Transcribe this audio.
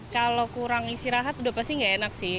kalau kurang isi rahat udah pasti gak enak sih